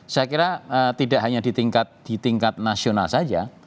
saya kira tidak hanya di tingkat nasional saja